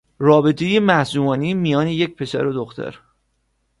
رابطهی معصومانه میان یک پسر و دختر